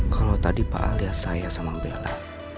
kalau tadi pak alias saya sama bella